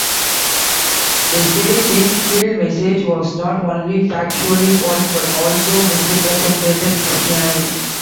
They said the Peale message was not only factually false but also misrepresented Christianity.